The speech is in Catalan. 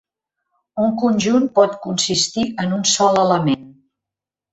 Un conjunt pot consistir en un sol element.